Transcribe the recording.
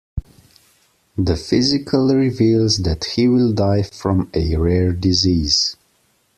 The physical reveals that he will die from a rare disease.